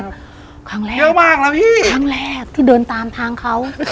กลางนะครับที่เดินตามทางเค้า